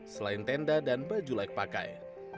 selain tenda dan baju layak pakai